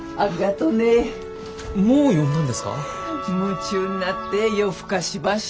夢中になって夜更かしばした。